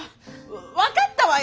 分かったわよ！